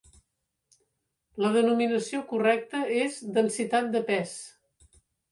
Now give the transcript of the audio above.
La denominació correcta és densitat de pes.